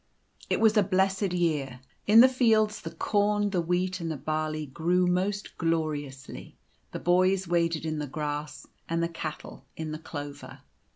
It was a blessed year. In the fields the corn, the wheat, and the barley grew most gloriously. The boys waded in the grass, and the cattle in the clover.